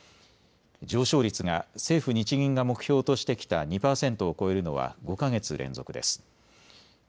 上昇率が政府・日銀が目標としてきた２％を超えるのは５か月連続です。